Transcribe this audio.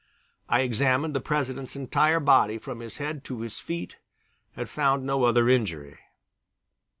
I examined the President's entire body from his head to his feet and found no other injury.